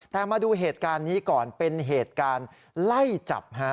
แต่มาดูเหตุการณ์นี้ก่อนเป็นเหตุการณ์ไล่จับฮะ